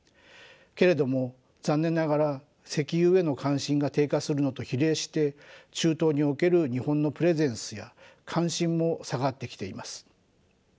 けれども残念ながら石油への関心が低下するのと比例して中東における日本のプレゼンスや関心も下がってきています。